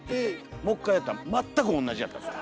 もう一回やったら全く同じやったんですよ。